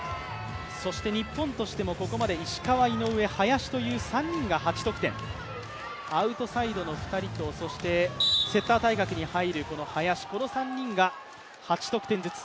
そして日本としてもここまで石川、井上、林という３人が８得点、アウトサイドの２人と、そしてセッター対角に入る林、この３人が８得点ずつ。